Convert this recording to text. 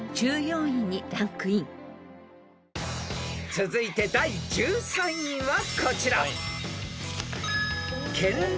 ［続いて第１３位はこちら］